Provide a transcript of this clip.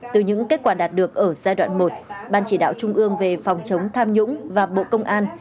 từ những kết quả đạt được ở giai đoạn một ban chỉ đạo trung ương về phòng chống tham nhũng và bộ công an